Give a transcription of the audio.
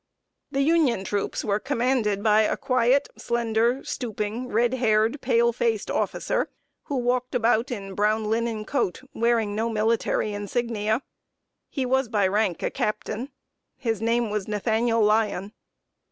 The Union troops were commanded by a quiet, slender, stooping, red haired, pale faced officer, who walked about in brown linen coat, wearing no military insignia. He was by rank a captain; his name was Nathaniel Lyon.